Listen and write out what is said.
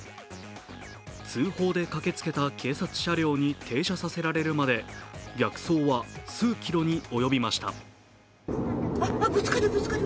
通報で駆けつけた警察車両に停車させられるまで逆走は数キロに及びました。